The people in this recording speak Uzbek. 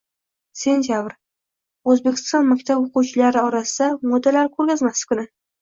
-sentabr - O'zbekiston maktab o'quvchilari orasida modalar ko'rgazmasi kuni!